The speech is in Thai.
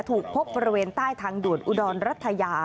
ถูกพบบริเวณใต้ทางด่วนอุดรรัฐยา